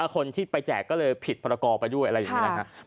คนที่ไปแจกก็เลยผิดพรกรไปด้วยอะไรอย่างนี้นะครับ